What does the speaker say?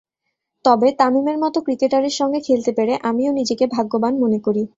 তবে তামিমের মতো ক্রিকেটারের সঙ্গে খেলতে পেরে আমিও নিজেকে ভাগ্যবান মনে করি।